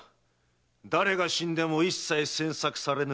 誰が死んでも一切詮索されぬわ。